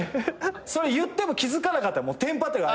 それ言っても気付かなかったテンパってるから。